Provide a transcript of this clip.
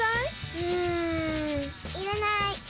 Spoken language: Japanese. うーん、いらない！